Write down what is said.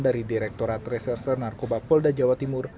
dari direkturat reserse narkoba polda jawa timur